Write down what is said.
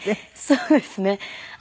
そうですね。